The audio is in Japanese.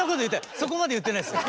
そこまで言ってないですよ！